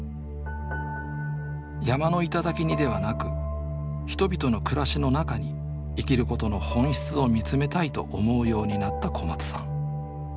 山の頂にではなく人々の暮らしの中に生きることの本質をみつめたいと思うようになった小松さん。